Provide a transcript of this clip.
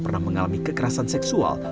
pernah mengalami kekerasan seksual